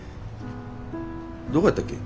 どこやったっけ？